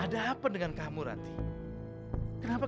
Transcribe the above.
tuh pasti untuk koinernya